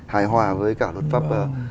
hài hòa với cả luật pháp